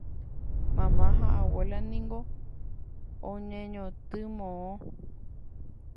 Mama ha abuela piko oñeñotỹ moõ